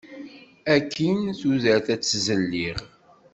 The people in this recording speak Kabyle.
Akkin tudert ad tt-zelliɣ.